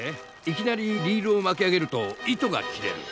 いきなりリールを巻き上げると糸が切れる。